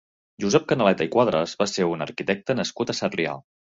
Josep Canaleta i Cuadras va ser un arquitecte nascut a Sarrià.